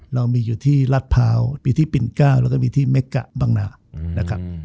เรามีอยู่ที่รัฐพร้าวมีที่ปิน๙แล้วก็มีที่เม็กกะบางนานะครับ